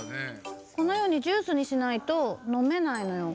このようにジュースにしないとのめないのよ。